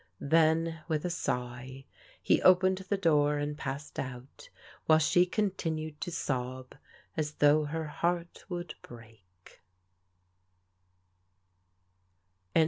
Then with a sigh he opened the door and passed out, while she continued to sob as though her heart would break.